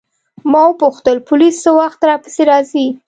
ما وپوښتل پولیس څه وخت راپسې راځي.